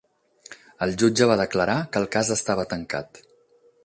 El jutge va declarar que el cas estava tancat.